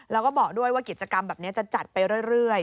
แล้วก็บอกด้วยว่ากิจกรรมแบบนี้จะจัดไปเรื่อย